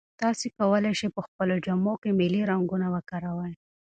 تاسي کولای شئ په خپلو جامو کې ملي رنګونه وکاروئ.